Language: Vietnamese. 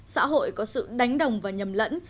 xã hội có sự đánh đồng và nhầm lẫn